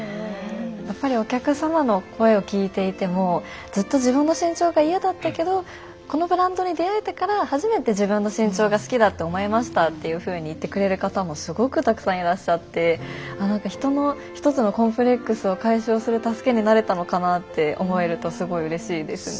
やっぱりお客様の声を聞いていてもずっと自分の身長が嫌だったけどこのブランドに出会えてから初めて自分の身長が好きだって思えましたっていうふうに言ってくれる方もすごくたくさんいらっしゃってあ何か人の一つのコンプレックスを解消する助けになれたのかなって思えるとすごいうれしいですね。